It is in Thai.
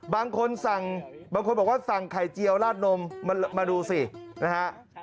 บางคนบอกว่าสั่งไข่เจียวลาดนมมาดูสินะฮะ